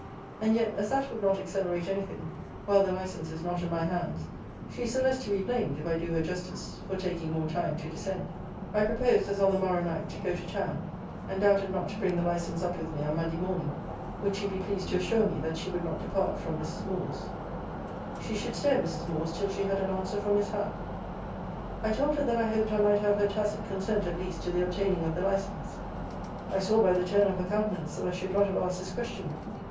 And yet, as that would not accelerate any thing, while the license is not in my hands, she is the less to be blamed (if I do her justice) for taking more time to descend. I proposed, as on the morrow night, to go to town; and doubted not to bring the license up with me on Monday morning; would she be pleased to assure me, that she would not depart form Mrs. Moore's. She should stay at Mrs. Moore's till she had an answer from Miss Howe. I told her that I hoped I might have her tacit consent at least to the obtaining of the license. I saw by the turn of her countenance that I should not have asked this question.